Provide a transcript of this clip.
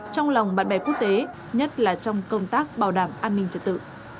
trong lòng bạn bè quốc tế nhất là trong công tác bảo đảm an ninh trật tự